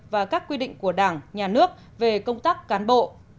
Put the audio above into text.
và các quy định của đảng nhà nước về công tác cán bộ